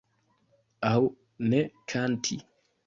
Aŭ ne kanti.